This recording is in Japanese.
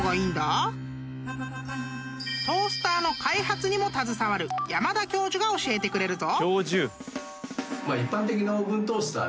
［トースターの開発にも携わる山田教授が教えてくれるぞ］